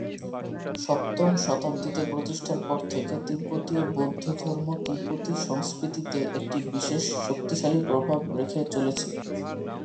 সপ্তম শতাব্দীতে প্রতিষ্ঠার পর থেকে তিব্বতীয় বৌদ্ধধর্ম তিব্বতি সংস্কৃতিতে একটি বিশেষ শক্তিশালী প্রভাব রেখে চলেছে।